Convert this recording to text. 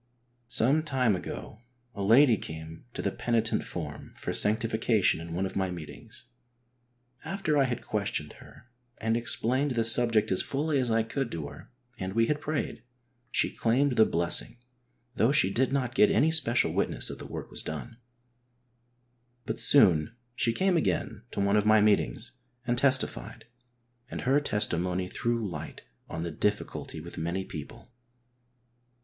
Some time ago a lady came to the penitent form for sanctification in one of my meetings. After I had questioned her and explained the subject as fully as I could HOLINESS : HOW TO GET IT. 17 to her and we had prayed, she claimed the blessing though she did not get any special witness that the work was done. But soon she came again to one of my meetings and testified, and her testimony threw light on the difficulty with many people.